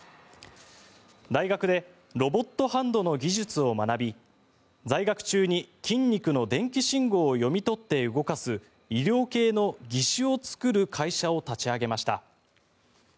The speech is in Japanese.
大学でロボットハンドの技術を学び在学中に、筋肉の電気信号を読み取って動かす医療用の義手を作る会社を立ち上げました。